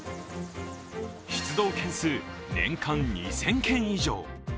出動件数、年間２０００件以上。